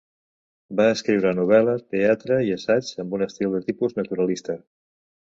Va escriure novel·la, teatre i assaig amb un estil de tipus naturalista.